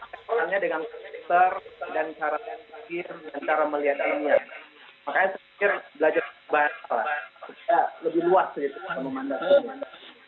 lebih luas gitu kalau memandang